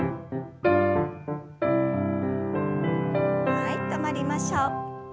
はい止まりましょう。